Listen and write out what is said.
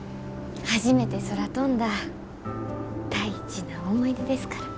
初めて空飛んだ大事な思い出ですから。